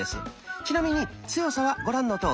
ちなみに強さはご覧のとおり。